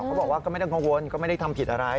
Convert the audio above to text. บอกว่าก็ไม่ต้องกังวลก็ไม่ได้ทำผิดอะไร